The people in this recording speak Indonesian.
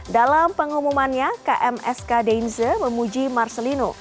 dalam pengumumannya kmsk deinze memuji marcelino